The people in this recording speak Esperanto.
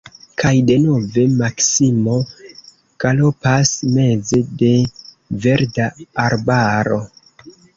Kaj denove Maksimo galopas meze de verda arbaro!